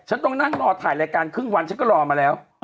ต้องนั่งรอถ่ายรายการครึ่งวันฉันก็รอมาแล้ว